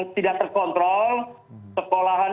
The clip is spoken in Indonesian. tidak terkontrol sekolahan